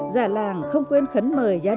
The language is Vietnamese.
dân làng xin mời về